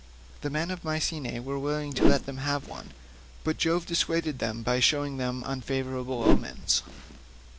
The men of Mycenae were willing to let them have one, but Jove dissuaded them by showing them unfavourable omens.